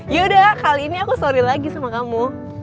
yaudah kali ini aku sorry lagi sama kamu